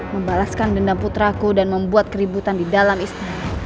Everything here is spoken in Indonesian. membalaskan dendam putraku dan membuat keributan di dalam istana